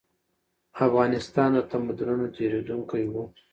افغانستان د تمدنونو تېرېدونکی و.